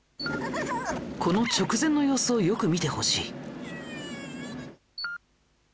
この直前の様子をよく見てほしい。